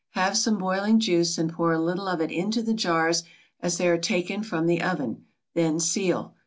Have some boiling juice and pour a little of it into the jars as they are taken from the oven; then seal.